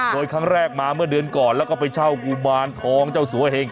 โดยครั้งแรกมาเมื่อเดือนก่อนแล้วก็ไปเช่ากุมารทองเจ้าสัวเหง